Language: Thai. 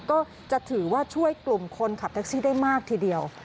ก็จะถือว่าช่วยกลุ่มคนขับแท็กซี่ได้มากทีเดียว